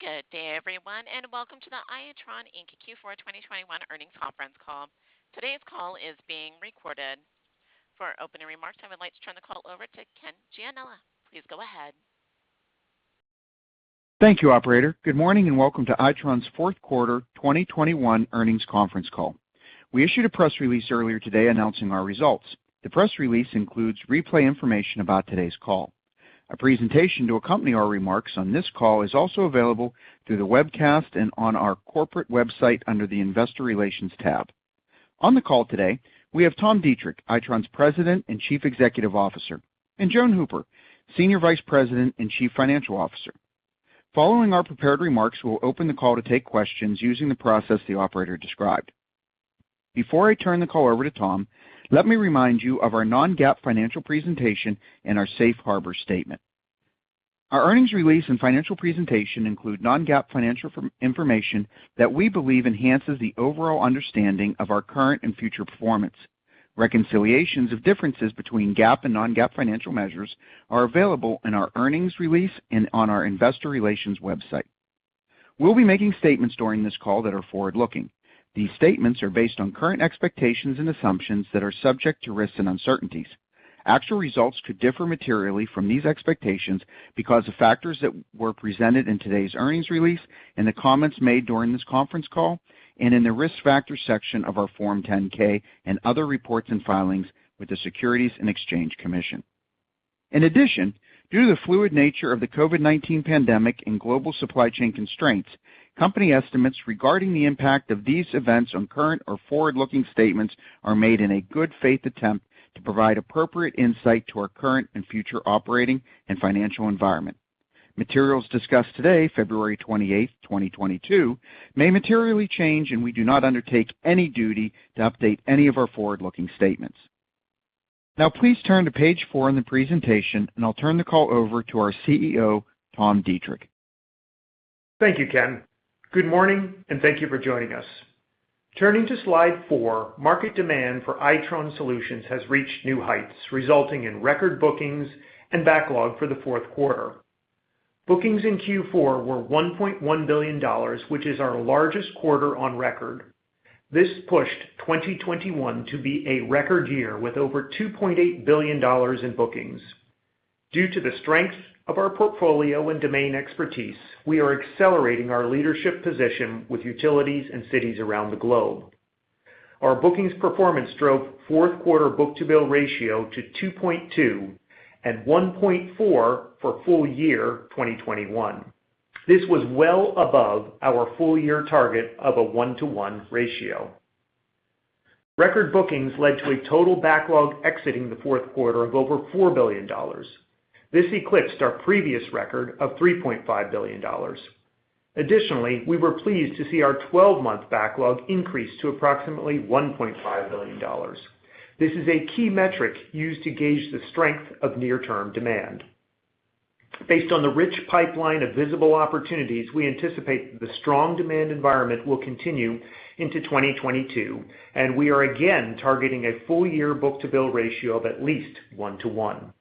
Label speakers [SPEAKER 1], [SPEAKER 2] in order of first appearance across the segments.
[SPEAKER 1] Good day, everyone, and welcome to the Itron, Inc. Q4 2021 earnings conference call. Today's call is being recorded. For opening remarks, I would like to turn the call over to Ken Gianella. Please go ahead.
[SPEAKER 2] Thank you, operator. Good morning, and welcome to Itron's fourth quarter 2021 earnings conference call. We issued a press release earlier today announcing our results. The press release includes replay information about today's call. A presentation to accompany our remarks on this call is also available through the webcast and on our corporate website under the Investor Relations tab. On the call today, we have Tom Deitrich, Itron's President and Chief Executive Officer, and Joan Hooper, Senior Vice President and Chief Financial Officer. Following our prepared remarks, we'll open the call to take questions using the process the operator described. Before I turn the call over to Tom, let me remind you of our non-GAAP financial presentation and our Safe Harbor statement. Our earnings release and financial presentation include non-GAAP financial information that we believe enhances the overall understanding of our current and future performance. Reconciliations of differences between GAAP and non-GAAP financial measures are available in our earnings release and on our investor relations website. We'll be making statements during this call that are forward-looking. These statements are based on current expectations and assumptions that are subject to risks and uncertainties. Actual results could differ materially from these expectations because of factors that were presented in today's earnings release and the comments made during this conference call and in the Risk Factors section of our Form 10-K and other reports and filings with the Securities and Exchange Commission. In addition, due to the fluid nature of the COVID-19 pandemic and global supply chain constraints, company estimates regarding the impact of these events on current or forward-looking statements are made in a good faith attempt to provide appropriate insight to our current and future operating and financial environment. Materials discussed today, February 28, 2022, may materially change, and we do not undertake any duty to update any of our forward-looking statements. Now please turn to page four in the presentation, and I'll turn the call over to our CEO, Tom Deitrich.
[SPEAKER 3] Thank you, Ken. Good morning, and thank you for joining us. Turning to slide four, market demand for Itron solutions has reached new heights, resulting in record bookings and backlog for the fourth quarter. Bookings in Q4 were $1.1 billion, which is our largest quarter on record. This pushed 2021 to be a record year with over $2.8 billion in bookings. Due to the strength of our portfolio and domain expertise, we are accelerating our leadership position with utilities and cities around the globe. Our bookings performance drove fourth quarter book-to-bill ratio to 2.2 and 1.4 for full year 2021. This was well above our full year target of a 1-to-1 ratio. Record bookings led to a total backlog exiting the fourth quarter of over $4 billion. This eclipsed our previous record of $3.5 billion. Additionally, we were pleased to see our 12-month backlog increase to approximately $1.5 billion. This is a key metric used to gauge the strength of near-term demand. Based on the rich pipeline of visible opportunities, we anticipate the strong demand environment will continue into 2022, and we are again targeting a full-year book-to-bill ratio of at least 1-to-1.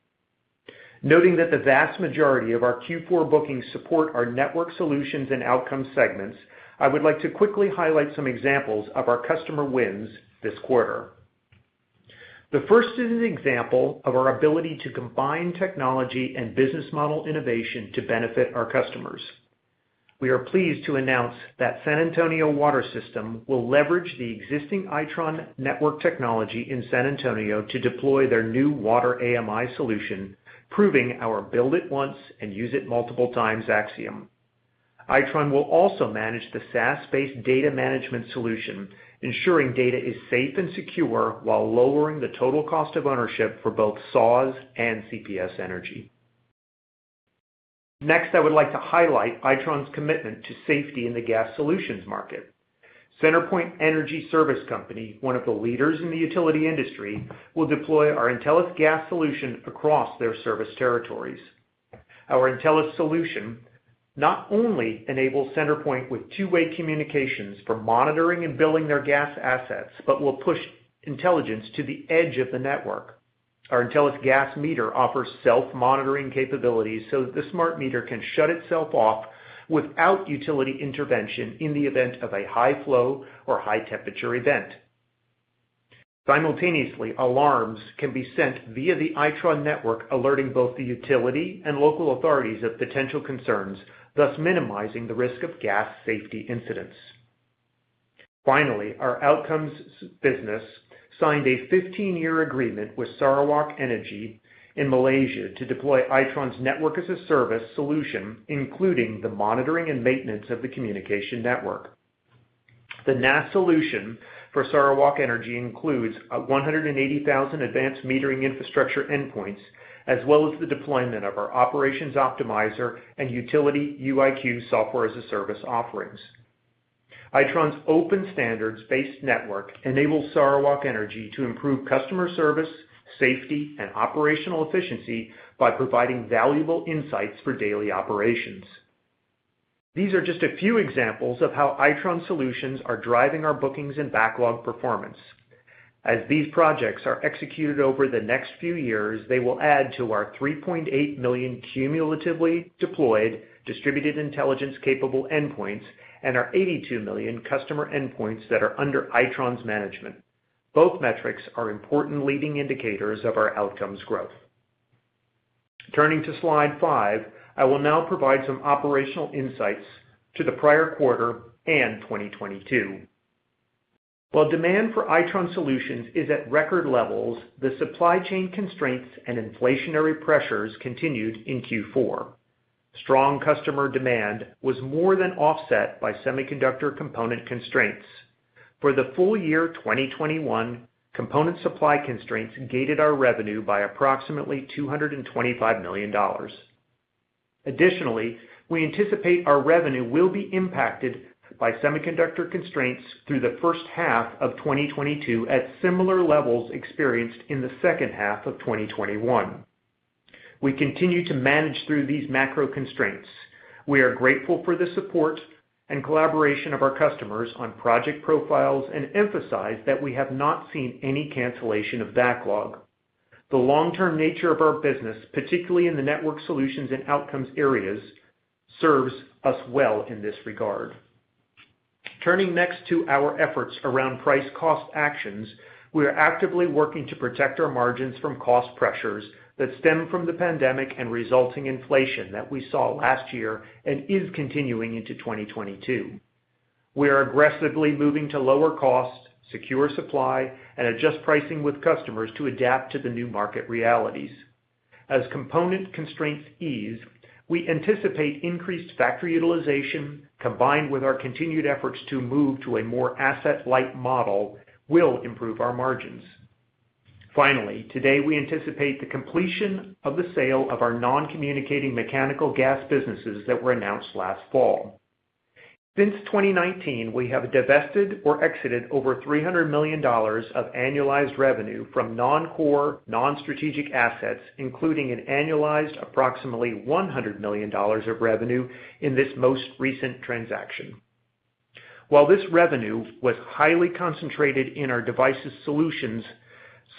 [SPEAKER 3] Noting that the vast majority of our Q4 bookings support our Networked Solutions and Outcomes segments, I would like to quickly highlight some examples of our customer wins this quarter. The first is an example of our ability to combine technology and business model innovation to benefit our customers. We are pleased to announce that San Antonio Water System will leverage the existing Itron network technology in San Antonio to deploy their new water AMI solution, proving our build it once and use it multiple times axiom. Itron will also manage the SaaS-based data management solution, ensuring data is safe and secure while lowering the total cost of ownership for both SAWS and CPS Energy. Next, I would like to highlight Itron's commitment to safety in the gas solutions market. CenterPoint Energy, one of the leaders in the utility industry, will deploy our Intelis gas solution across their service territories. Our Intelis solution not only enables CenterPoint with two-way communications for monitoring and billing their gas assets, but will push intelligence to the edge of the network. Our Intelis gas meter offers self-monitoring capabilities so the smart meter can shut itself off without utility intervention in the event of a high flow or high temperature event. Simultaneously, alarms can be sent via the Itron network, alerting both the utility and local authorities of potential concerns, thus minimizing the risk of gas safety incidents. Finally, our Outcomes business signed a 15-year agreement with Sarawak Energy in Malaysia to deploy Itron's Network as a Service solution, including the monitoring and maintenance of the communication network. The NaaS solution for Sarawak Energy includes 180,000 advanced metering infrastructure endpoints, as well as the deployment of our Operations Optimizer and Utility IQ Software as a Service offerings. Itron's open standards-based network enables Sarawak Energy to improve customer service, safety, and operational efficiency by providing valuable insights for daily operations. These are just a few examples of how Itron solutions are driving our bookings and backlog performance. As these projects are executed over the next few years, they will add to our 3.8 million cumulatively deployed distributed intelligence capable endpoints and our 82 million customer endpoints that are under Itron's management. Both metrics are important leading indicators of our outcomes growth. Turning to slide five, I will now provide some operational insights to the prior quarter and 2022. While demand for Itron solutions is at record levels, the supply chain constraints and inflationary pressures continued in Q4. Strong customer demand was more than offset by semiconductor component constraints. For the full year 2021, component supply constraints gated our revenue by approximately $225 million. Additionally, we anticipate our revenue will be impacted by semiconductor constraints through the first half of 2022 at similar levels experienced in the second half of 2021. We continue to manage through these macro constraints. We are grateful for the support and collaboration of our customers on project profiles and emphasize that we have not seen any cancellation of backlog. The long-term nature of our business, particularly in the Networked Solutions and Outcomes areas, serves us well in this regard. Turning next to our efforts around price cost actions, we are actively working to protect our margins from cost pressures that stem from the pandemic and resulting inflation that we saw last year and is continuing into 2022. We are aggressively moving to lower cost, secure supply, and adjust pricing with customers to adapt to the new market realities. As component constraints ease, we anticipate increased factory utilization combined with our continued efforts to move to a more asset-light model will improve our margins. Finally, today we anticipate the completion of the sale of our non-communicating mechanical gas businesses that were announced last fall. Since 2019, we have divested or exited over $300 million of annualized revenue from non-core, non-strategic assets, including an annualized approximately $100 million of revenue in this most recent transaction. While this revenue was highly concentrated in our Device Solutions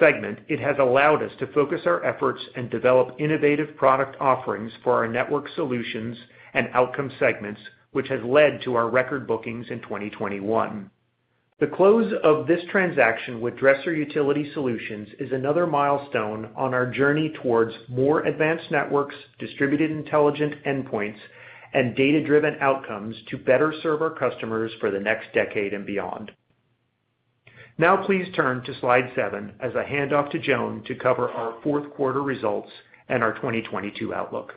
[SPEAKER 3] segment, it has allowed us to focus our efforts and develop innovative product offerings for our Networked Solutions and Outcomes segments, which has led to our record bookings in 2021. The close of this transaction with Dresser Utility Solutions is another milestone on our journey towards more advanced networks, distributed intelligent endpoints, and data-driven outcomes to better serve our customers for the next decade and beyond. Now, please turn to slide seven as I hand off to Joan to cover our fourth quarter results and our 2022 outlook.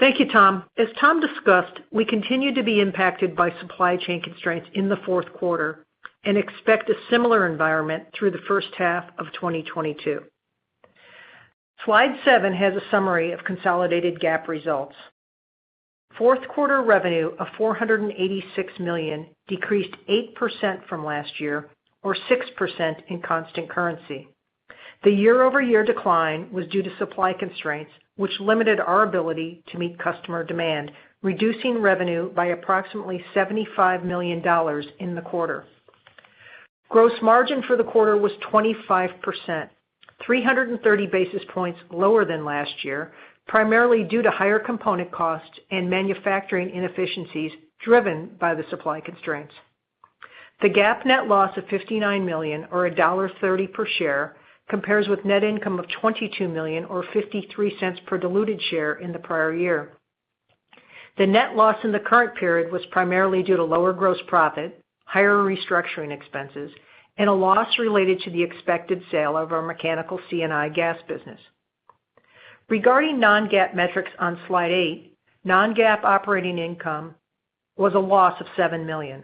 [SPEAKER 4] Thank you, Tom. As Tom discussed, we continue to be impacted by supply chain constraints in the fourth quarter and expect a similar environment through the first half of 2022. Slide seven has a summary of consolidated GAAP results. Fourth quarter revenue of $486 million decreased 8% from last year or 6% in constant currency. The year-over-year decline was due to supply constraints, which limited our ability to meet customer demand, reducing revenue by approximately $75 million in the quarter. Gross margin for the quarter was 25%, 330 basis points lower than last year, primarily due to higher component costs and manufacturing inefficiencies driven by the supply constraints. The GAAP net loss of $59 million or $1.30 per share compares with net income of $22 million or $0.53 per diluted share in the prior year. The net loss in the current period was primarily due to lower gross profit, higher restructuring expenses, and a loss related to the expected sale of our mechanical C&I gas business. Regarding non-GAAP metrics on slide eight, non-GAAP operating income was a loss of $7 million.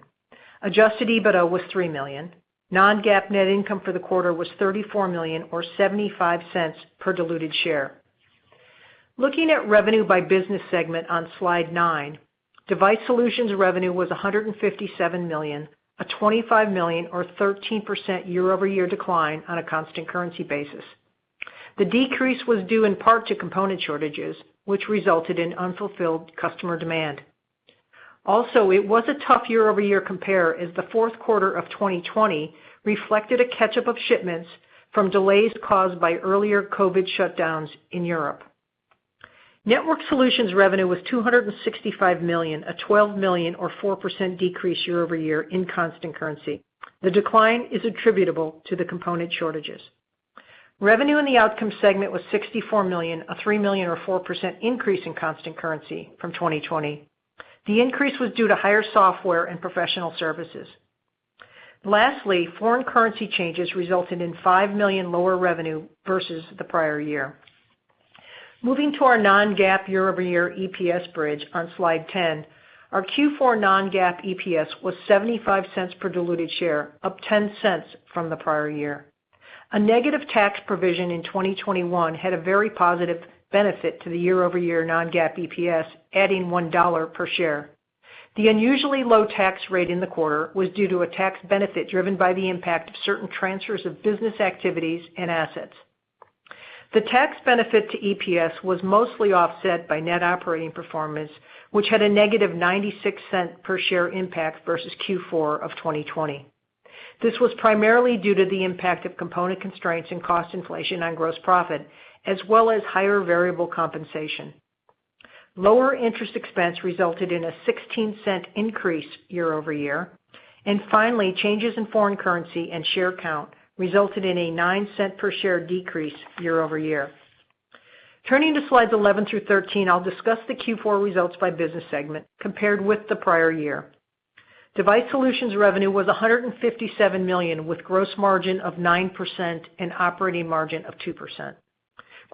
[SPEAKER 4] Adjusted EBITDA was $3 million. Non-GAAP net income for the quarter was $34 million or $0.75 per diluted share. Looking at revenue by business segment on slide nine, Device Solutions revenue was $157 million, a $25 million or 13% year-over-year decline on a constant currency basis. The decrease was due in part to component shortages, which resulted in unfulfilled customer demand. Also, it was a tough year-over-year compare as the fourth quarter of 2020 reflected a catch-up of shipments from delays caused by earlier COVID shutdowns in Europe. Networked Solutions revenue was $265 million, a $12 million or 4% decrease year-over-year in constant currency. The decline is attributable to the component shortages. Revenue in the Outcomes segment was $64 million, a $3 million or 4% increase in constant currency from 2020. The increase was due to higher software and professional services. Lastly, foreign currency changes resulted in $5 million lower revenue versus the prior year. Moving to our non-GAAP year-over-year EPS bridge on slide 10, our Q4 non-GAAP EPS was $0.75 per diluted share, up $0.10 from the prior year. A negative tax provision in 2021 had a very positive benefit to the year-over-year non-GAAP EPS, adding $1 per share. The unusually low tax rate in the quarter was due to a tax benefit driven by the impact of certain transfers of business activities and assets. The tax benefit to EPS was mostly offset by net operating performance, which had a negative $0.96 per share impact versus Q4 of 2020. This was primarily due to the impact of component constraints and cost inflation on gross profit, as well as higher variable compensation. Lower interest expense resulted in a $0.16 increase year over year. Finally, changes in foreign currency and share count resulted in a $0.09 per share decrease year over year. Turning to slides 11 through 13, I'll discuss the Q4 results by business segment compared with the prior year. Device Solutions revenue was $157 million, with gross margin of 9% and operating margin of 2%.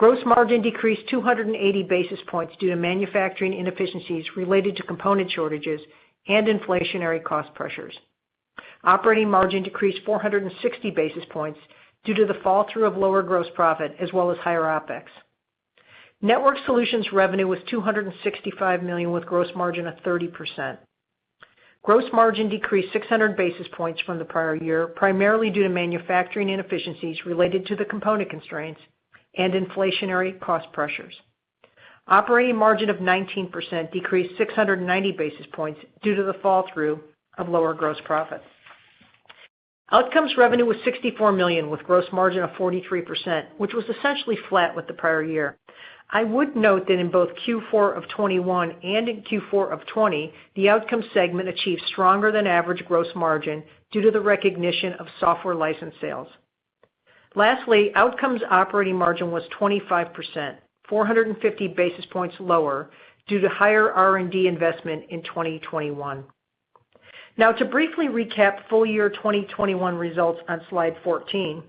[SPEAKER 4] Gross margin decreased 280 basis points due to manufacturing inefficiencies related to component shortages and inflationary cost pressures. Operating margin decreased 460 basis points due to the fall through of lower gross profit as well as higher OpEx. Networked Solutions revenue was $265 million with gross margin of 30%. Gross margin decreased 600 basis points from the prior year, primarily due to manufacturing inefficiencies related to the component constraints and inflationary cost pressures. Operating margin of 19% decreased 690 basis points due to the fall through of lower gross profits. Outcomes revenue was $64 million with gross margin of 43%, which was essentially flat with the prior year. I would note that in both Q4 of 2021 and in Q4 of 2020, the Outcomes segment achieved stronger than average gross margin due to the recognition of software license sales. Lastly, Outcomes operating margin was 25%, 450 basis points lower due to higher R&D investment in 2021. Now to briefly recap full year 2021 results on slide 14.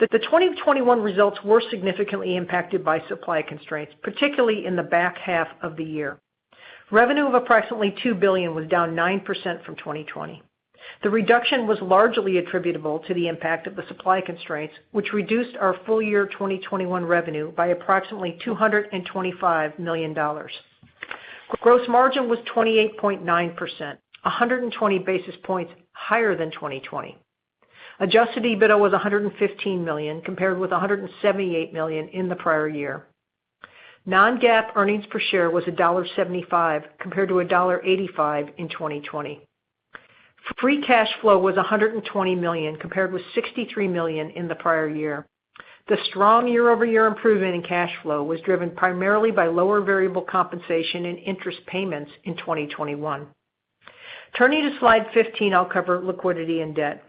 [SPEAKER 4] The 2021 results were significantly impacted by supply constraints, particularly in the back half of the year. Revenue of approximately $2 billion was down 9% from 2020. The reduction was largely attributable to the impact of the supply constraints, which reduced our full year 2021 revenue by approximately $225 million. Gross margin was 28.9%, 120 basis points higher than 2020. Adjusted EBITDA was $115 million, compared with $178 million in the prior year. Non-GAAP earnings per share was $1.75, compared to $1.85 in 2020. Free cash flow was $120 million, compared with $63 million in the prior year. The strong year-over-year improvement in cash flow was driven primarily by lower variable compensation and interest payments in 2021. Turning to slide 15, I'll cover liquidity and debt.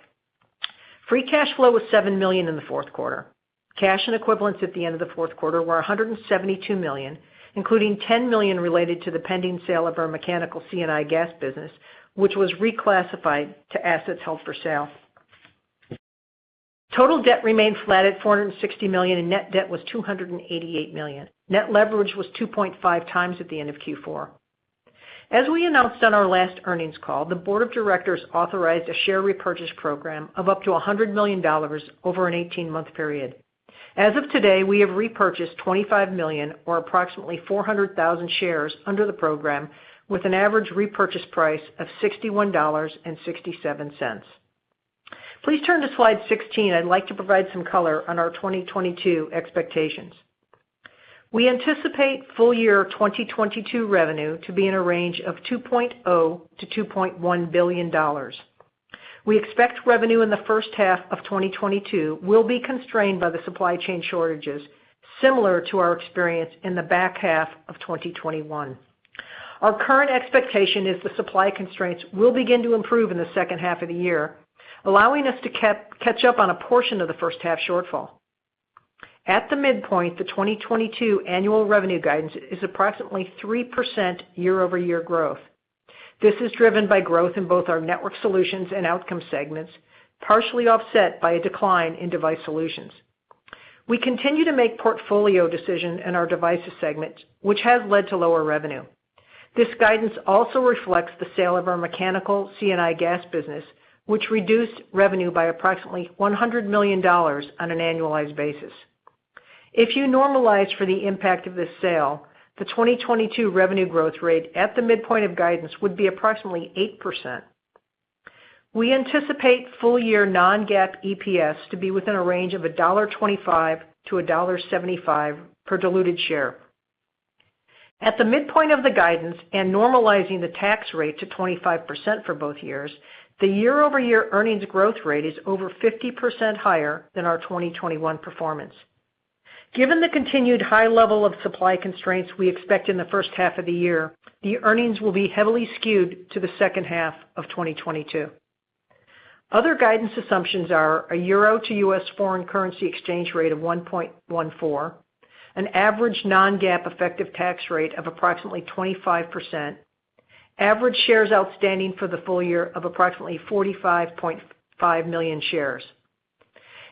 [SPEAKER 4] Free cash flow was $7 million in the fourth quarter. Cash and equivalents at the end of the fourth quarter were $172 million, including $10 million related to the pending sale of our mechanical C&I gas business, which was reclassified to assets held for sale. Total debt remained flat at $460 million, and net debt was $288 million. Net leverage was 2.5x at the end of Q4. As we announced on our last earnings call, the board of directors authorized a share repurchase program of up to $100 million over an 18-month period. As of today, we have repurchased $25 million or approximately 400,000 shares under the program with an average repurchase price of $61.67. Please turn to slide 16. I'd like to provide some color on our 2022 expectations. We anticipate full year 2022 revenue to be in a range of $2.0 billion-$2.1 billion. We expect revenue in the first half of 2022 will be constrained by the supply chain shortages, similar to our experience in the back half of 2021. Our current expectation is the supply constraints will begin to improve in the second half of the year, allowing us to catch up on a portion of the first half shortfall. At the midpoint, the 2022 annual revenue guidance is approximately 3% year-over-year growth. This is driven by growth in both our Networked Solutions and Outcomes segments, partially offset by a decline in Device Solutions. We continue to make portfolio decisions in our Device Solutions segment, which has led to lower revenue. This guidance also reflects the sale of our mechanical C&I gas business, which reduced revenue by approximately $100 million on an annualized basis. If you normalize for the impact of this sale, the 2022 revenue growth rate at the midpoint of guidance would be approximately 8%. We anticipate full year non-GAAP EPS to be within a range of $1.25-$1.75 per diluted share. At the midpoint of the guidance and normalizing the tax rate to 25% for both years, the year-over-year earnings growth rate is over 50% higher than our 2021 performance. Given the continued high level of supply constraints we expect in the first half of the year, the earnings will be heavily skewed to the second half of 2022. Other guidance assumptions are a EUR to USD foreign currency exchange rate of 1.14, an average non-GAAP effective tax rate of approximately 25%, average shares outstanding for the full year of approximately 45.5 million shares.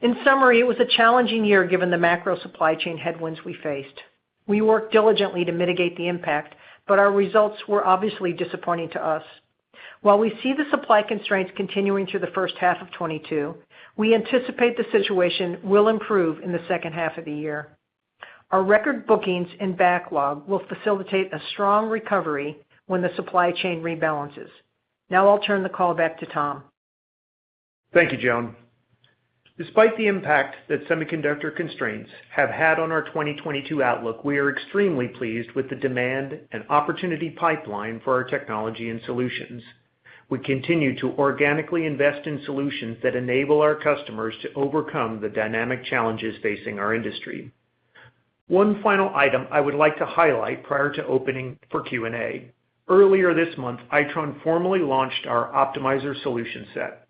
[SPEAKER 4] In summary, it was a challenging year given the macro supply chain headwinds we faced. We worked diligently to mitigate the impact, but our results were obviously disappointing to us. While we see the supply constraints continuing through the first half of 2022, we anticipate the situation will improve in the second half of the year. Our record bookings and backlog will facilitate a strong recovery when the supply chain rebalances. Now I'll turn the call back to Tom.
[SPEAKER 3] Thank you, Joan. Despite the impact that semiconductor constraints have had on our 2022 outlook, we are extremely pleased with the demand and opportunity pipeline for our technology and solutions. We continue to organically invest in solutions that enable our customers to overcome the dynamic challenges facing our industry. One final item I would like to highlight prior to opening for Q&A. Earlier this month, Itron formally launched our Optimizer solution set.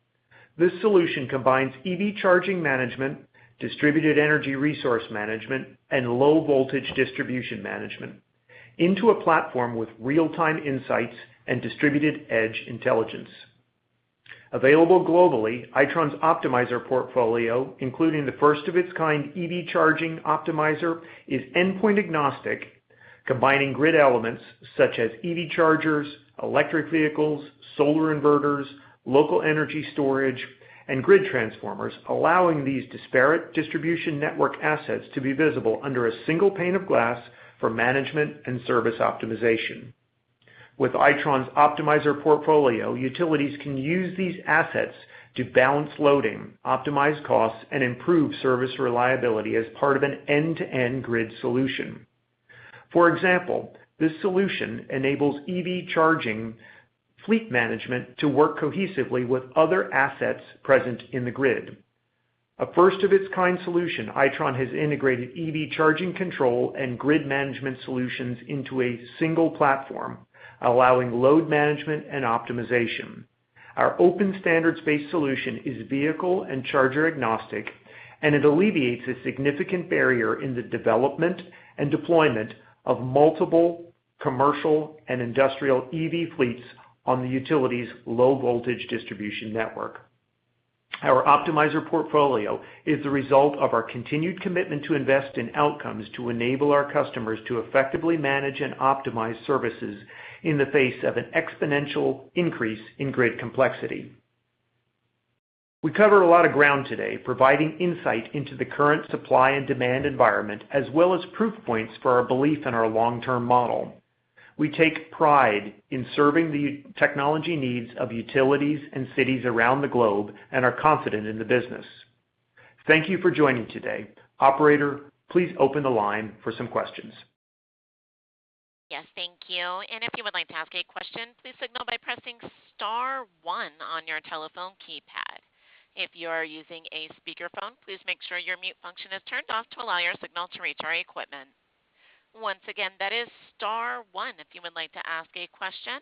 [SPEAKER 3] This solution combines EV charging management, distributed energy resource management, and low voltage distribution management into a platform with real-time insights and distributed intelligence. Available globally, Itron's Optimizer portfolio, including the first-of-its-kind EV Charging Optimizer, is endpoint agnostic, combining grid elements such as EV chargers, electric vehicles, solar inverters, local energy storage, and grid transformers, allowing these disparate distribution network assets to be visible under a single pane of glass for management and service optimization. With Itron's Optimizer portfolio, utilities can use these assets to balance loading, optimize costs, and improve service reliability as part of an end-to-end grid solution. For example, this solution enables EV charging fleet management to work cohesively with other assets present in the grid. A first-of-its-kind solution, Itron has integrated EV charging control and grid management solutions into a single platform, allowing load management and optimization. Our open standards-based solution is vehicle and charger agnostic, and it alleviates a significant barrier in the development and deployment of multiple commercial and industrial EV fleets on the utility's low voltage distribution network. Our Optimizer portfolio is the result of our continued commitment to invest in Outcomes to enable our customers to effectively manage and optimize services in the face of an exponential increase in grid complexity. We covered a lot of ground today, providing insight into the current supply and demand environment, as well as proof points for our belief in our long-term model. We take pride in serving the technology needs of utilities and cities around the globe and are confident in the business. Thank you for joining today. Operator, please open the line for some questions.
[SPEAKER 1] Yes, thank you. If you would like to ask a question, please signal by pressing star one on your telephone keypad. If you are using a speakerphone, please make sure your mute function is turned off to allow your signal to reach our equipment. Once again, that is star one if you would like to ask a question.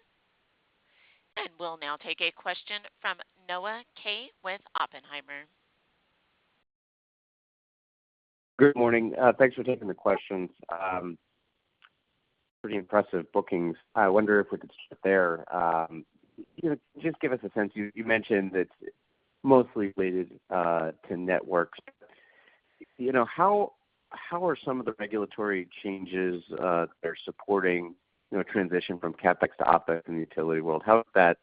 [SPEAKER 1] We'll now take a question from Noah Kaye with Oppenheimer.
[SPEAKER 5] Good morning. Thanks for taking the questions. Pretty impressive bookings. I wonder if we could start there. You know, just give us a sense. You mentioned it's mostly related to networks. You know, how are some of the regulatory changes that are supporting you know transition from CapEx to OpEx in the utility world, how is that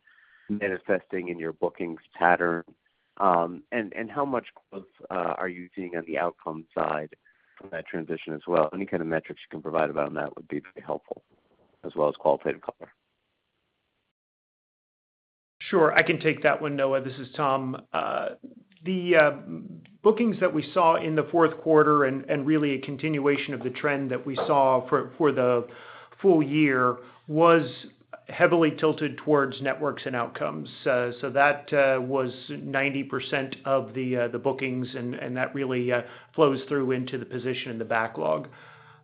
[SPEAKER 5] manifesting in your bookings pattern? How much growth are you seeing on the outcome side from that transition as well? Any kind of metrics you can provide about on that would be pretty helpful, as well as qualitative color.
[SPEAKER 3] Sure. I can take that one, Noah. This is Tom. The bookings that we saw in the fourth quarter and really a continuation of the trend that we saw for the full year was heavily tilted towards Networks and Outcomes. That was 90% of the bookings, and that really flows through into the position in the backlog.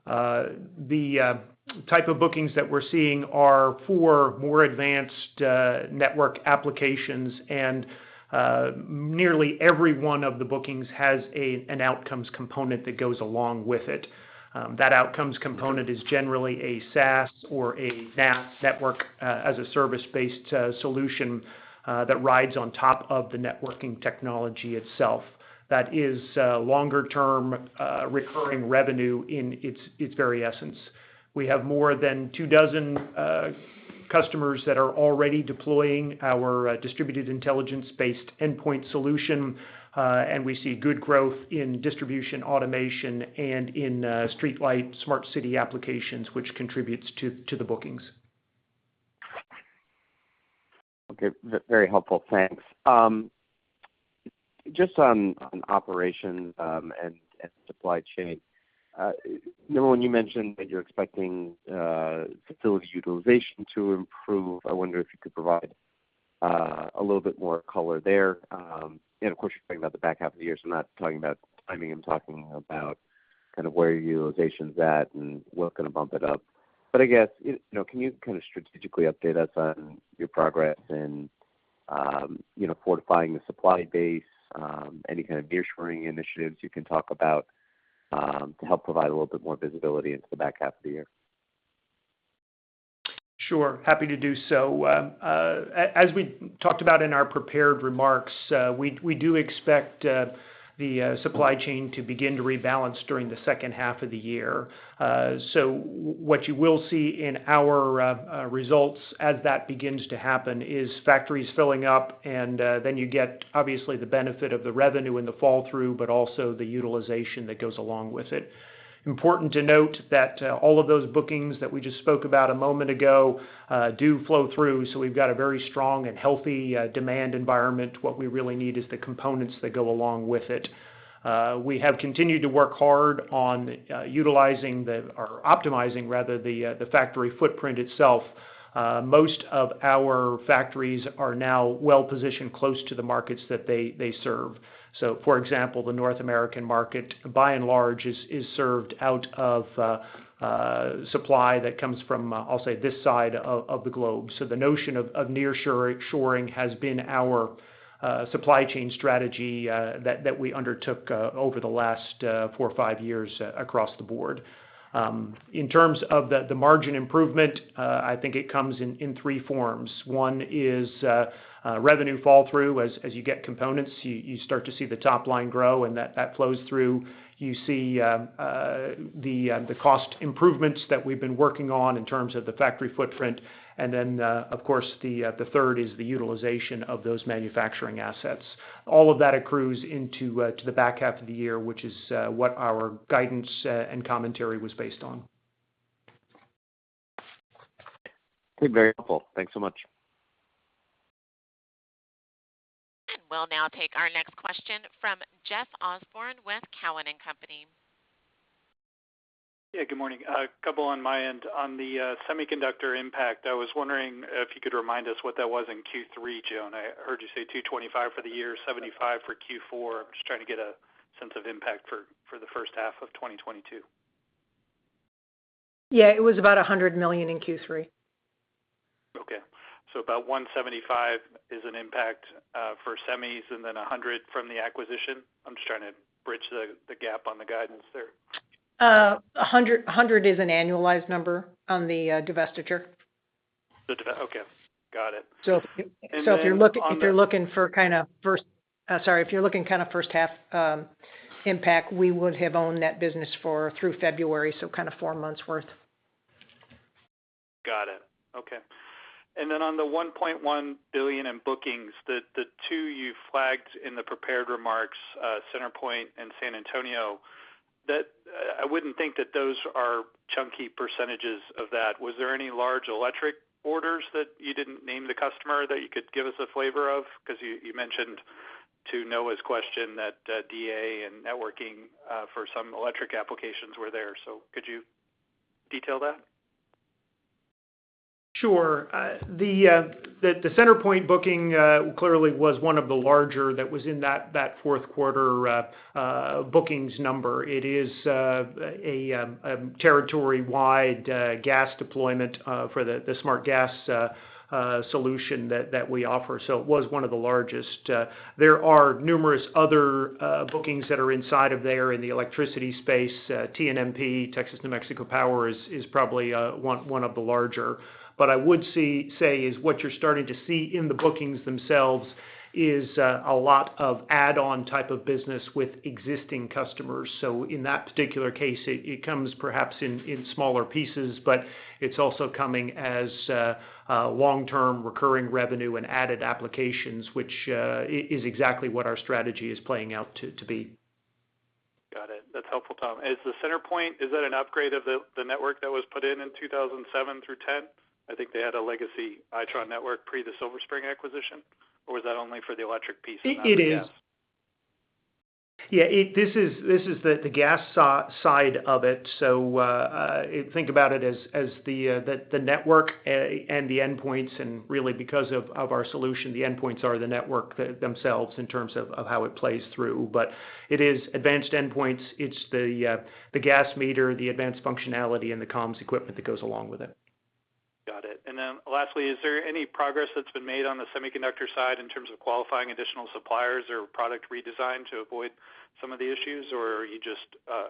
[SPEAKER 3] The type of bookings that we're seeing are for more advanced network applications, and nearly every one of the bookings has an Outcomes component that goes along with it. That Outcomes component is generally a SaaS or a NaaS network as a service-based solution that rides on top of the networking technology itself. That is longer-term recurring revenue in its very essence. We have more than two dozen customers that are already deploying our distributed intelligence-based endpoint solution, and we see good growth in distribution automation and in streetlight smart city applications, which contributes to the bookings.
[SPEAKER 5] Okay. Very helpful. Thanks. Just on operations and supply chain. Tom, you mentioned that you're expecting facility utilization to improve. I wonder if you could provide a little bit more color there. Of course, you're talking about the back half of the year, so I'm not talking about timing. I'm talking about kind of where your utilization's at and what can bump it up. I guess, you know, can you kind of strategically update us on your progress in, you know, fortifying the supply base, any kind of nearshoring initiatives you can talk about, to help provide a little bit more visibility into the back half of the year?
[SPEAKER 3] Sure. Happy to do so. As we talked about in our prepared remarks, we do expect the supply chain to begin to rebalance during the second half of the year. What you will see in our results as that begins to happen is factories filling up, and then you get obviously the benefit of the revenue and the fall-through, but also the utilization that goes along with it. Important to note that all of those bookings that we just spoke about a moment ago do flow through. We've got a very strong and healthy demand environment. What we really need is the components that go along with it. We have continued to work hard on optimizing rather the factory footprint itself. Most of our factories are now well-positioned, close to the markets that they serve. For example, the North American market, by and large is served out of supply that comes from, I'll say this side of the globe. The notion of nearshoring has been our supply chain strategy that we undertook over the last four or five years across the board. In terms of the margin improvement, I think it comes in three forms. One is revenue flow-through. As you get components, you start to see the top line grow, and that flows through. You see the cost improvements that we've been working on in terms of the factory footprint. Of course, the third is the utilization of those manufacturing assets. All of that accrues into the back half of the year, which is what our guidance and commentary was based on.
[SPEAKER 5] Okay. Very helpful. Thanks so much.
[SPEAKER 1] We'll now take our next question from Jeff Osborne with Cowen and Company.
[SPEAKER 6] Good morning. A couple on my end. On the semiconductor impact, I was wondering if you could remind us what that was in Q3, Joan. I heard you say 225 for the year, 75 for Q4. I'm just trying to get a sense of impact for the first half of 2022.
[SPEAKER 4] Yeah, it was about $100 million in Q3.
[SPEAKER 6] Okay. About $175 is an impact for semis and then $100 from the acquisition? I'm just trying to bridge the gap on the guidance there.
[SPEAKER 4] 100 is an annualized number on the divestiture.
[SPEAKER 6] Okay, got it.
[SPEAKER 4] So if you-
[SPEAKER 6] And then on the-
[SPEAKER 4] If you're looking for kind of first half impact, we would have owned that business for through February, so kind of four months worth.
[SPEAKER 6] Got it. Okay. On the $1.1 billion in bookings, the two you flagged in the prepared remarks, CenterPoint and San Antonio, that I wouldn't think that those are chunky percentages of that. Was there any large electric orders that you didn't name the customer that you could give us a flavor of? Because you mentioned to Noah's question that DA and networking for some electric applications were there. Could you detail that?
[SPEAKER 3] Sure. The CenterPoint booking clearly was one of the larger that was in that fourth quarter bookings number. It is a territory-wide gas deployment for the smart gas solution that we offer. It was one of the largest. There are numerous other bookings that are inside of there in the electricity space. TNMP, Texas-New Mexico Power is probably one of the larger. But I would say is what you're starting to see in the bookings themselves is a lot of add-on type of business with existing customers. In that particular case, it comes perhaps in smaller pieces, but it's also coming as long-term recurring revenue and added applications, which is exactly what our strategy is playing out to be.
[SPEAKER 6] Got it. That's helpful, Tom. Is the CenterPoint Energy an upgrade of the network that was put in in 2007 through 2010? I think they had a legacy Itron network pre the Silver Spring Networks acquisition, or was that only for the electric piece and not the gas?
[SPEAKER 3] It is. Yeah, this is the gas side of it. Think about it as the network and the endpoints, and really because of our solution, the endpoints are the network themselves in terms of how it plays through. It is advanced endpoints. It's the gas meter, the advanced functionality, and the comms equipment that goes along with it.
[SPEAKER 6] Got it. Lastly, is there any progress that's been made on the semiconductor side in terms of qualifying additional suppliers or product redesign to avoid some of the issues? Or are you just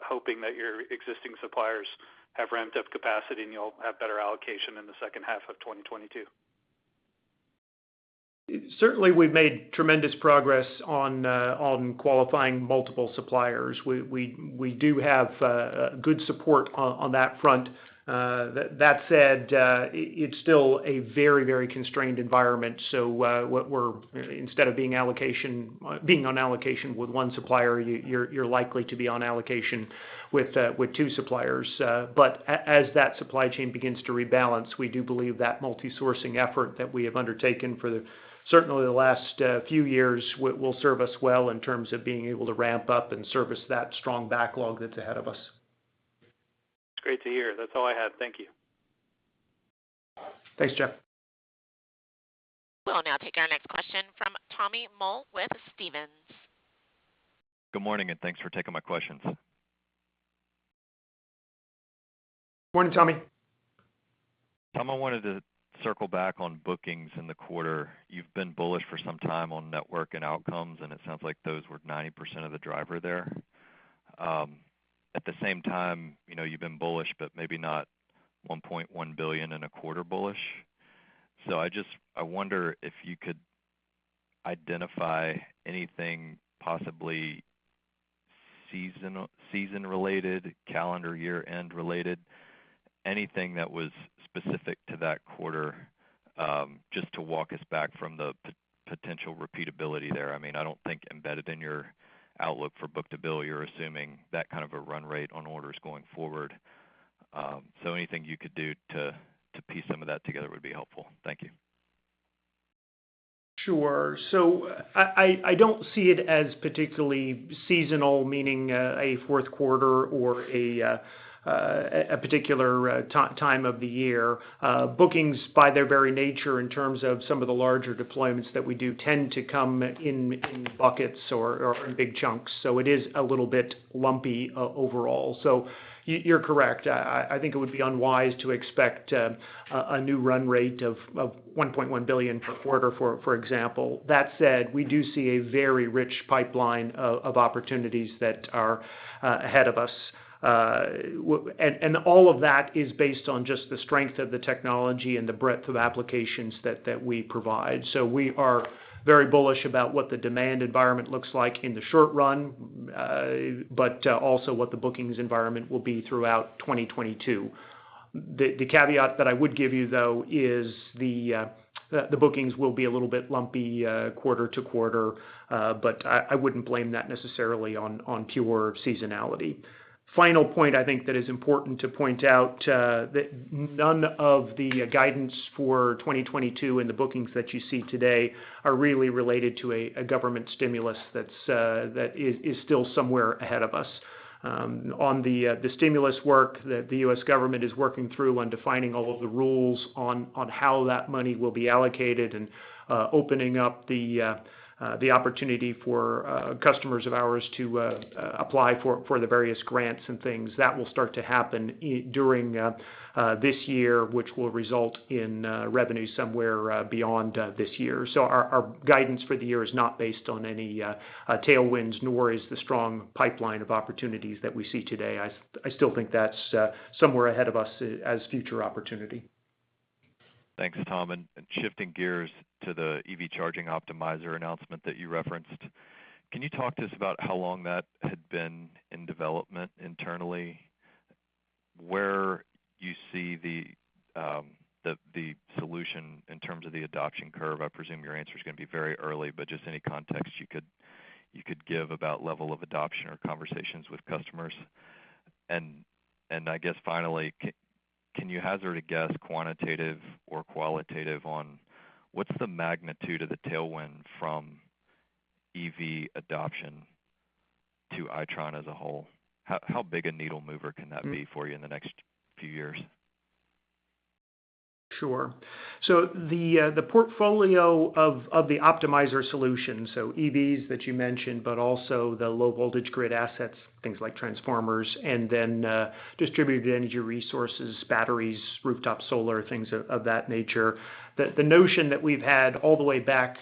[SPEAKER 6] hoping that your existing suppliers have ramped up capacity and you'll have better allocation in the second half of 2022?
[SPEAKER 3] Certainly, we've made tremendous progress on qualifying multiple suppliers. We do have good support on that front. That said, it's still a very constrained environment. Instead of being on allocation with one supplier, you're likely to be on allocation with two suppliers. As that supply chain begins to rebalance, we do believe that multi-sourcing effort that we have undertaken for certainly the last few years will serve us well in terms of being able to ramp up and service that strong backlog that's ahead of us.
[SPEAKER 6] It's great to hear. That's all I had. Thank you.
[SPEAKER 3] Thanks, Jeff.
[SPEAKER 1] We'll now take our next question from Tommy Moll with Stephens.
[SPEAKER 7] Good morning, and thanks for taking my questions.
[SPEAKER 3] Morning, Tommy.
[SPEAKER 7] Tom, I wanted to circle back on bookings in the quarter. You've been bullish for some time on network and outcomes, and it sounds like those were 90% of the driver there. At the same time, you know, you've been bullish, but maybe not $1.1 billion in a quarter bullish. I just wonder if you could identify anything possibly season-related, calendar year end related, anything that was specific to that quarter, just to walk us back from the potential repeatability there. I mean, I don't think embedded in your outlook for book-to-bill, you're assuming that kind of a run rate on orders going forward. So anything you could do to piece some of that together would be helpful. Thank you.
[SPEAKER 3] I don't see it as particularly seasonal, meaning a fourth quarter or a particular time of the year. Bookings by their very nature in terms of some of the larger deployments that we do tend to come in buckets or in big chunks. It is a little bit lumpy overall. You're correct. I think it would be unwise to expect a new run rate of $1.1 billion per quarter, for example. That said, we do see a very rich pipeline of opportunities that are ahead of us. All of that is based on just the strength of the technology and the breadth of applications that we provide. We are very bullish about what the demand environment looks like in the short run, but also what the bookings environment will be throughout 2022. The caveat that I would give you, though, is the bookings will be a little bit lumpy quarter to quarter, but I wouldn't blame that necessarily on pure seasonality. Final point I think that is important to point out, that none of the guidance for 2022 and the bookings that you see today are really related to a government stimulus that's still somewhere ahead of us. On the stimulus work that the U.S. government is working through on defining all of the rules on how that money will be allocated and opening up the opportunity for customers of ours to apply for the various grants and things, that will start to happen during this year, which will result in revenue somewhere beyond this year. Our guidance for the year is not based on any tailwinds, nor is the strong pipeline of opportunities that we see today. I still think that's somewhere ahead of us as future opportunity.
[SPEAKER 7] Thanks, Tom. Shifting gears to the EV Charging Optimizer announcement that you referenced, can you talk to us about how long that had been in development internally? Where you see the solution in terms of the adoption curve? I presume your answer is gonna be very early, but just any context you could give about level of adoption or conversations with customers. I guess finally, can you hazard a guess, quantitative or qualitative on what's the magnitude of the tailwind from EV adoption to Itron as a whole? How big a needle mover can that be for you in the next few years?
[SPEAKER 3] Sure. The portfolio of the Optimizer solution, EVs that you mentioned, but also the low voltage grid assets, things like transformers, and then distributed energy resources, batteries, rooftop solar, things of that nature. The notion that we've had all the way back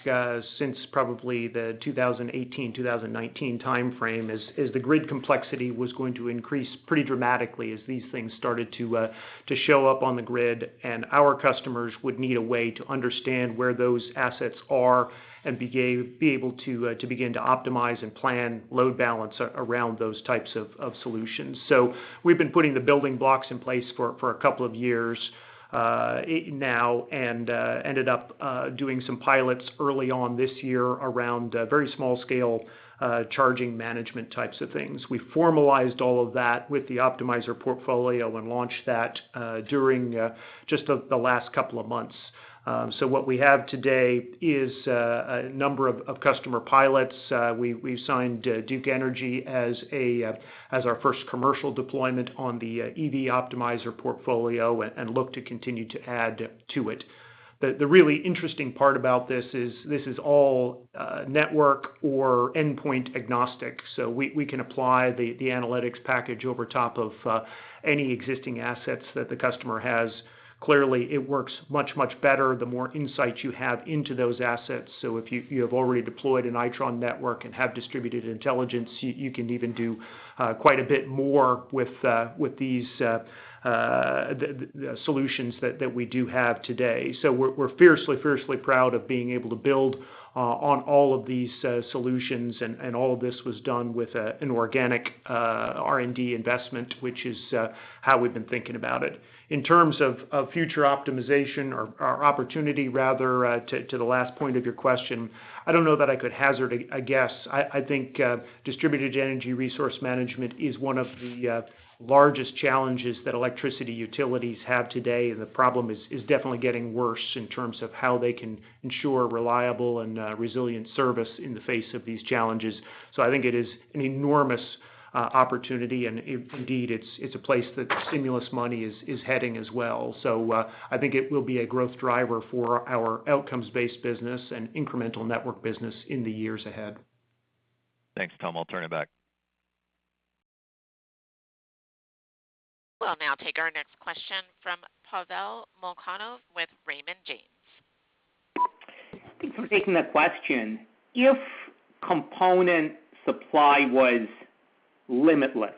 [SPEAKER 3] since probably the 2018, 2019 time frame is the grid complexity was going to increase pretty dramatically as these things started to show up on the grid, and our customers would need a way to understand where those assets are and be able to begin to optimize and plan load balance around those types of solutions. We've been putting the building blocks in place for a couple of years now and ended up doing some pilots early on this year around very small scale charging management types of things. We formalized all of that with the Optimizer portfolio and launched that during just the last couple of months. What we have today is a number of customer pilots. We've signed Duke Energy as our first commercial deployment on the DER Optimizer portfolio and look to continue to add to it. The really interesting part about this is this is all network or endpoint agnostic. We can apply the analytics package over top of any existing assets that the customer has. Clearly, it works much, much better the more insights you have into those assets. If you have already deployed an Itron network and have distributed intelligence, you can even do quite a bit more with these, the solutions that we do have today. We're fiercely proud of being able to build on all of these solutions, and all of this was done with an organic R&D investment, which is how we've been thinking about it. In terms of future optimization or opportunity rather, to the last point of your question, I don't know that I could hazard a guess. I think distributed energy resource management is one of the largest challenges that electricity utilities have today, and the problem is definitely getting worse in terms of how they can ensure reliable and resilient service in the face of these challenges. I think it is an enormous opportunity, and indeed, it's a place that stimulus money is heading as well. I think it will be a growth driver for our Outcomes-based business and incremental network business in the years ahead.
[SPEAKER 7] Thanks, Tom. I'll turn it back.
[SPEAKER 1] We'll now take our next question from Pavel Molchanov with Raymond James.
[SPEAKER 8] Thanks for taking the question. If component supply was limitless,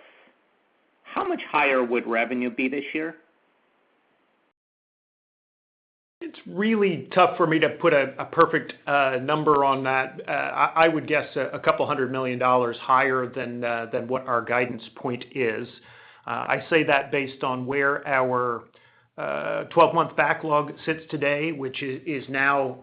[SPEAKER 8] how much higher would revenue be this year?
[SPEAKER 3] It's really tough for me to put a perfect number on that. I would guess a couple $100 million higher than what our guidance point is. I say that based on where our 12-month backlog sits today, which is now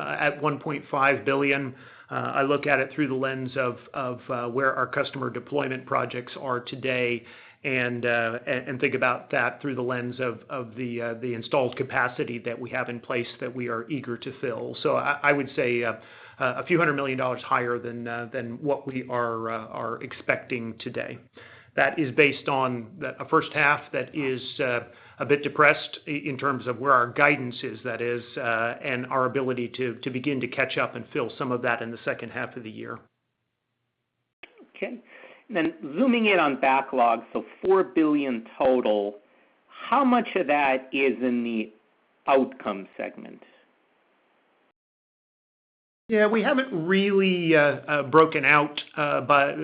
[SPEAKER 3] at $1.5 billion. I look at it through the lens of where our customer deployment projects are today and think about that through the lens of the installed capacity that we have in place that we are eager to fill. I would say a few $100 million higher than what we are expecting today. That is based on a first half that is a bit depressed in terms of where our guidance is, that is, and our ability to begin to catch up and fill some of that in the second half of the year.
[SPEAKER 8] Okay. Zooming in on backlog, so $4 billion total, how much of that is in the Outcomes segment?
[SPEAKER 3] Yeah, we haven't really broken out by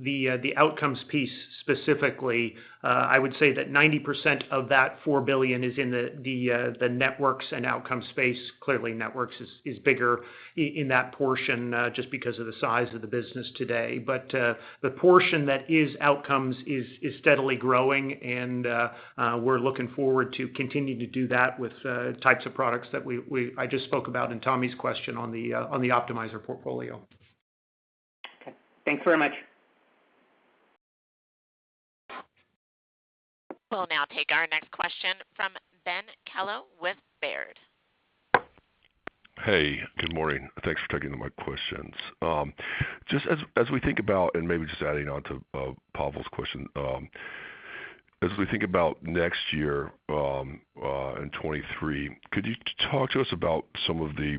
[SPEAKER 3] the outcomes piece specifically. I would say that 90% of that $4 billion is in the Networks and Outcomes space. Clearly, Networks is bigger in that portion just because of the size of the business today. The portion that is Outcomes is steadily growing and we're looking forward to continuing to do that with types of products that I just spoke about in Tommy's question on the Optimizer portfolio.
[SPEAKER 8] Okay. Thank you very much.
[SPEAKER 1] We'll now take our next question from Ben Kallo with Baird.
[SPEAKER 9] Hey, good morning. Thanks for taking my questions. Just as we think about, and maybe just adding on to Pavel's question, as we think about next year, in 2023, could you talk to us about some of the,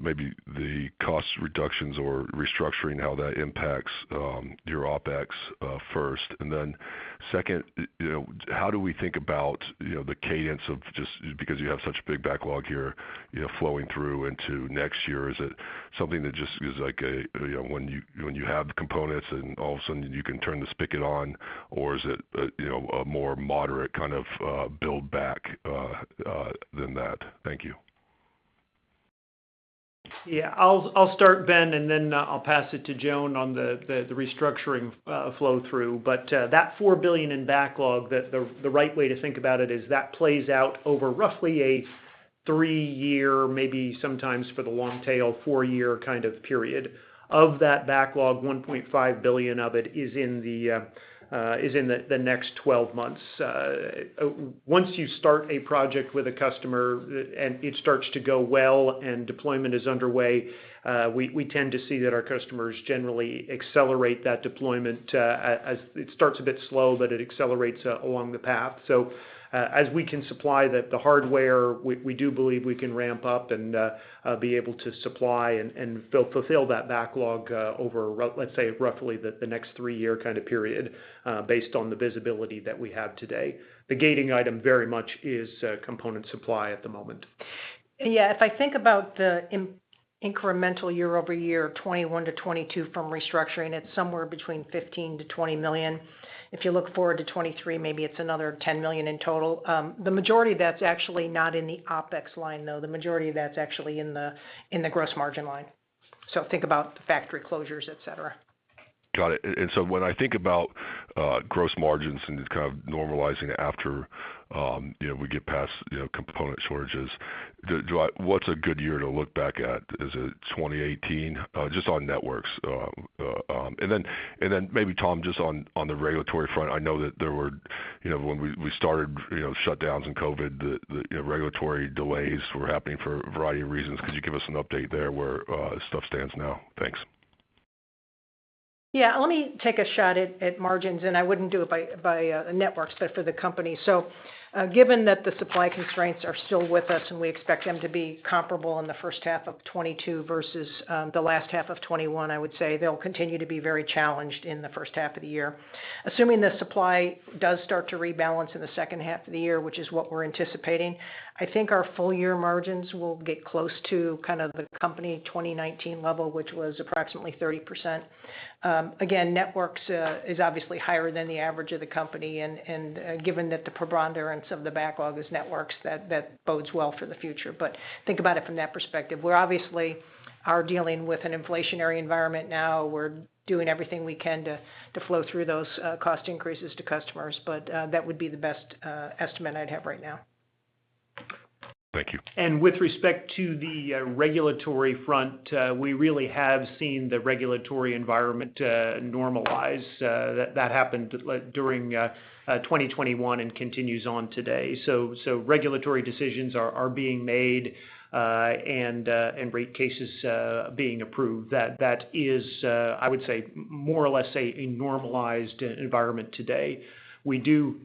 [SPEAKER 9] maybe the cost reductions or restructuring, how that impacts your OpEx first? Then second, you know, how do we think about the cadence of just because you have such big backlog here, you know, flowing through into next year. Is it something that just is like a, you know, when you, when you have the components and all of a sudden you can turn the spigot on, or is it, you know, a more moderate kind of build back than that? Thank you.
[SPEAKER 3] Yeah. I'll start, Ben, and then I'll pass it to Joan on the restructuring flow through. That $4 billion in backlog, the right way to think about it is that plays out over roughly a three-year, maybe sometimes for the long tail, four-year kind of period. Of that backlog, $1.5 billion of it is in the next 12 months. Once you start a project with a customer and it starts to go well and deployment is underway, we tend to see that our customers generally accelerate that deployment. As it starts a bit slow, but it accelerates along the path. As we can supply the hardware, we do believe we can ramp up and be able to supply and fulfill that backlog over roughly the next three-year kind of period based on the visibility that we have today. The gating item very much is component supply at the moment.
[SPEAKER 4] Yeah. If I think about the incremental year-over-year 2021 to 2022 from restructuring, it's somewhere between $15 million-$20 million. If you look forward to 2023, maybe it's another $10 million in total. The majority of that's actually not in the OpEx line, though. The majority of that's actually in the gross margin line. Think about the factory closures, et cetera.
[SPEAKER 9] Got it. When I think about gross margins and just kind of normalizing after you know we get past you know component shortages, what's a good year to look back at? Is it 2018? Just on networks. Maybe Tom, just on the regulatory front, I know that there were you know when we started you know shutdowns and COVID, the you know regulatory delays were happening for a variety of reasons. Could you give us an update there where stuff stands now? Thanks.
[SPEAKER 4] Let me take a shot at margins, and I wouldn't do it by networks, but for the company. Given that the supply constraints are still with us and we expect them to be comparable in the first half of 2022 versus the last half of 2021, I would say they'll continue to be very challenged in the first half of the year. Assuming the supply does start to rebalance in the second half of the year, which is what we're anticipating, I think our full year margins will get close to kind of the company 2019 level, which was approximately 30%. Again, networks is obviously higher than the average of the company, and given that the preponderance of the backlog is networks, that bodes well for the future. Think about it from that perspective. We're obviously dealing with an inflationary environment now. We're doing everything we can to flow through those cost increases to customers, but that would be the best estimate I'd have right now.
[SPEAKER 9] Thank you.
[SPEAKER 3] With respect to the regulatory front, we really have seen the regulatory environment normalize. That happened during 2021 and continues on today. Regulatory decisions are being made and rate cases being approved. That is, I would say more or less a normalized environment today. We do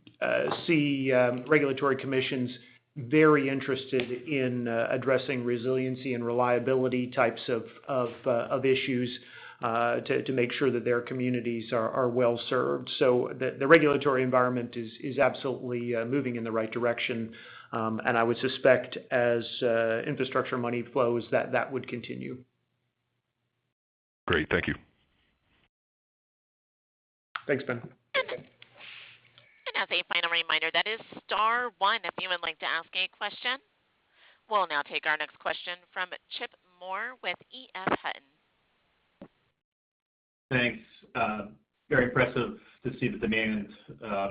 [SPEAKER 3] see regulatory commissions very interested in addressing resiliency and reliability types of issues to make sure that their communities are well-served. The regulatory environment is absolutely moving in the right direction. I would suspect as infrastructure money flows, that would continue.
[SPEAKER 9] Great. Thank you.
[SPEAKER 3] Thanks, Ben.
[SPEAKER 1] As a final reminder, that is star one if you would like to ask a question. We'll now take our next question from Chip Moore with EF Hutton.
[SPEAKER 10] Thanks. Very impressive to see the demand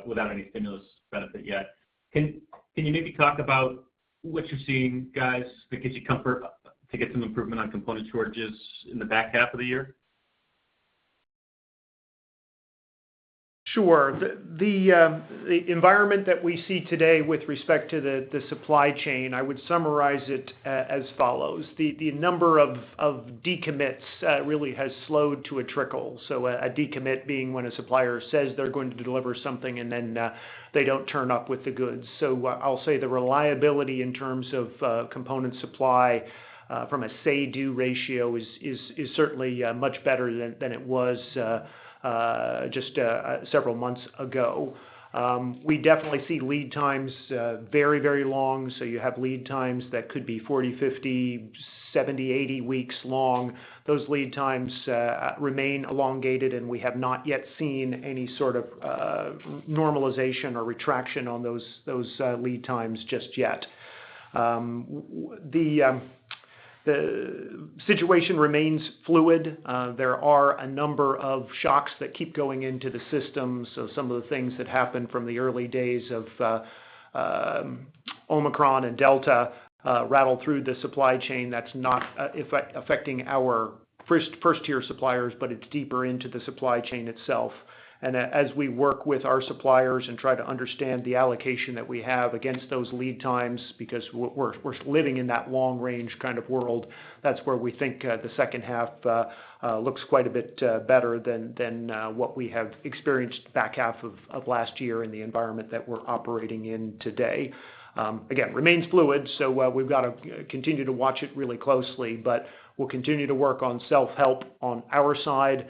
[SPEAKER 10] without any stimulus benefit yet. Can you maybe talk about what you're seeing, guys, that gives you comfort to get some improvement on component shortages in the back half of the year?
[SPEAKER 3] Sure. The environment that we see today with respect to the supply chain, I would summarize it as follows. The number of decommits really has slowed to a trickle. A decommit being when a supplier says they're going to deliver something and then they don't turn up with the goods. I'll say the reliability in terms of component supply from a say-do ratio is certainly much better than it was just several months ago. We definitely see lead times very long. You have lead times that could be 40, 50, 70, 80 weeks long. Those lead times remain elongated, and we have not yet seen any sort of normalization or retraction on those lead times just yet. The situation remains fluid. There are a number of shocks that keep going into the system. Some of the things that happened from the early days of Omicron and Delta rattled through the supply chain. That's not affecting our first-tier suppliers, but it's deeper into the supply chain itself. As we work with our suppliers and try to understand the allocation that we have against those lead times, because we're living in that long range kind of world, that's where we think the second half looks quite a bit better than what we have experienced back half of last year in the environment that we're operating in today. Again, the situation remains fluid, so we've got to continue to watch it really closely. We'll continue to work on self-help on our side,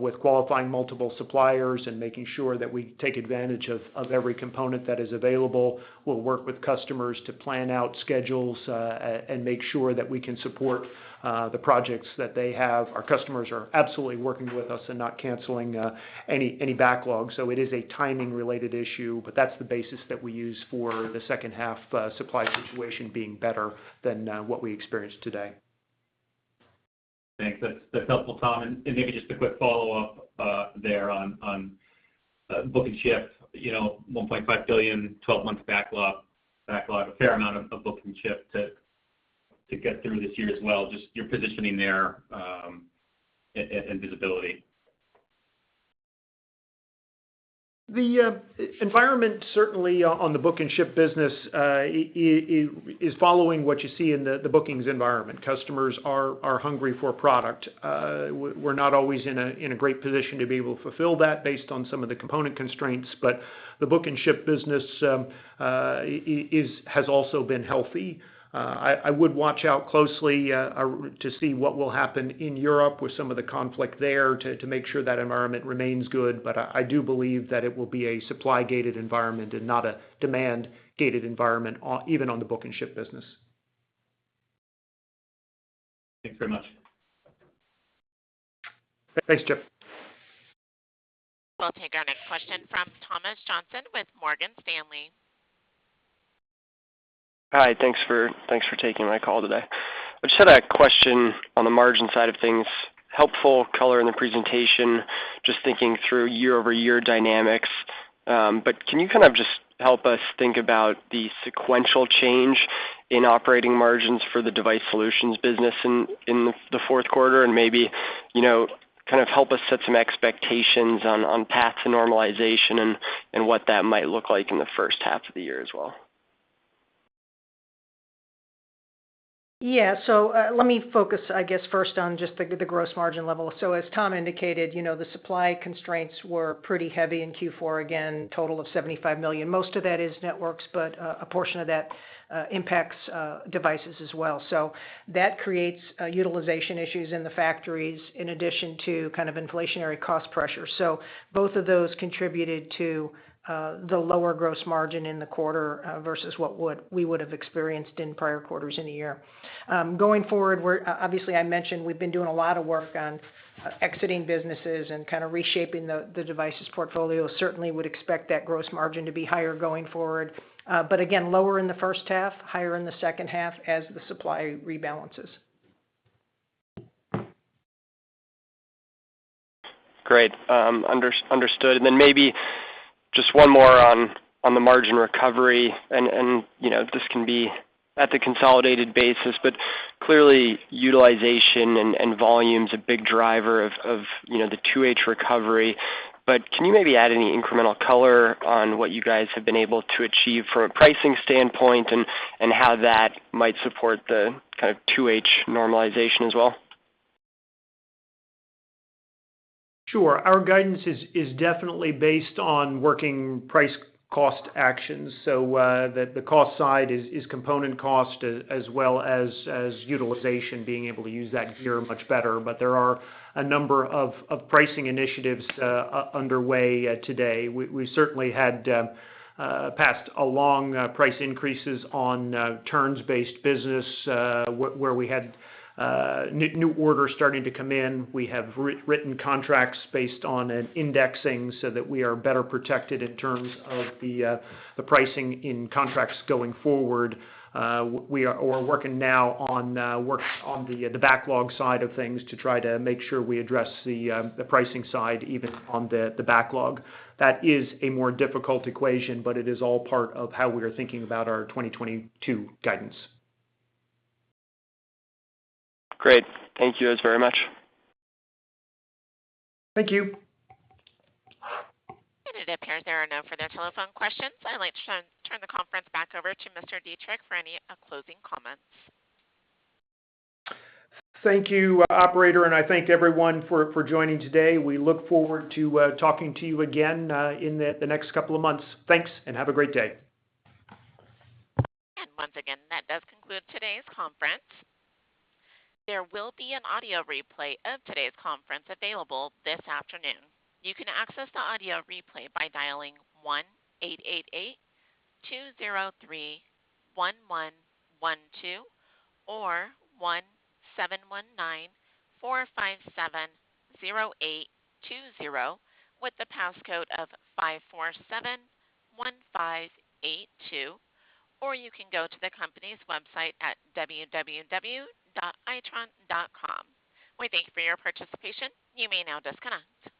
[SPEAKER 3] with qualifying multiple suppliers and making sure that we take advantage of every component that is available. We'll work with customers to plan out schedules, and make sure that we can support the projects that they have. Our customers are absolutely working with us and not canceling any backlogs. It is a timing-related issue, but that's the basis that we use for the second half, supply situation being better than what we experience today.
[SPEAKER 10] Thanks. That's helpful, Tom. Maybe just a quick follow-up there on book and ship. You know, $1.5 billion 12-month backlog. A fair amount of book and ship to get through this year as well, just your positioning there and visibility.
[SPEAKER 3] The environment certainly on the book and ship business is following what you see in the bookings environment. Customers are hungry for product. We're not always in a great position to be able to fulfill that based on some of the component constraints. The book and ship business has also been healthy. I would watch out closely to see what will happen in Europe with some of the conflict there to make sure that environment remains good. I do believe that it will be a supply-gated environment and not a demand-gated environment even on the book and ship business.
[SPEAKER 10] Thanks very much.
[SPEAKER 3] Thanks, Chip.
[SPEAKER 1] We'll take our next question from Thomas Johnson with Morgan Stanley.
[SPEAKER 11] Hi. Thanks for taking my call today. I just had a question on the margin side of things. Helpful color in the presentation, just thinking through year-over-year dynamics. Can you kind of just help us think about the sequential change in operating margins for the Device Solutions business in the fourth quarter? Maybe, you know, kind of help us set some expectations on path to normalization and what that might look like in the first half of the year as well.
[SPEAKER 4] Yeah. Let me focus, I guess, first on just the gross margin level. As Tom indicated, you know, the supply constraints were pretty heavy in Q4, again, total of $75 million. Most of that is networks, but a portion of that impacts devices as well. That creates utilization issues in the factories in addition to kind of inflationary cost pressure. Both of those contributed to the lower gross margin in the quarter versus what we would have experienced in prior quarters in the year. Going forward, obviously, I mentioned we've been doing a lot of work on exiting businesses and kind of reshaping the devices portfolio. Certainly would expect that gross margin to be higher going forward. But again, lower in the first half, higher in the second half as the supply rebalances.
[SPEAKER 11] Great. Understood. Then maybe just one more on the margin recovery, and you know, this can be at the consolidated basis, but clearly utilization and volume's a big driver of you know, the 2H recovery. Can you maybe add any incremental color on what you guys have been able to achieve from a pricing standpoint and how that might support the kind of 2H normalization as well?
[SPEAKER 3] Sure. Our guidance is definitely based on working price cost actions. The cost side is component cost as well as utilization, being able to use that gear much better. There are a number of pricing initiatives underway today. We certainly had passed along price increases on terms-based business where we had new orders starting to come in. We have written contracts based on an indexing so that we are better protected in terms of the pricing in contracts going forward. We're working now on the backlog side of things to try to make sure we address the pricing side even on the backlog. That is a more difficult equation, but it is all part of how we are thinking about our 2022 guidance.
[SPEAKER 11] Great. Thank you guys very much.
[SPEAKER 3] Thank you.
[SPEAKER 1] It appears there are no further telephone questions. I'd like to turn the conference back over to Mr. Deitrich for any closing comments.
[SPEAKER 3] Thank you, operator, and I thank everyone for joining today. We look forward to talking to you again in the next couple of months. Thanks, and have a great day.
[SPEAKER 1] Once again, that does conclude today's conference. There will be an audio replay of today's conference available this afternoon. You can access the audio replay by dialing 1-888-203-1112 or 1-719-457-0820 with the passcode of 5471582, or you can go to the company's website at www.itron.com. We thank you for your participation. You may now disconnect.